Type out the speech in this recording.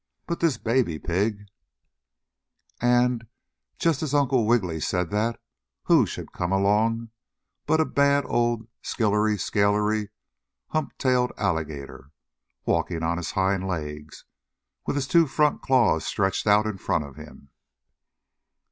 But this baby pig " And, just as Uncle Wiggily said that, who should come along but a bad old skillery scalery hump tailed alligator, walking on his hind legs, with his two front claws stretched out in front of him.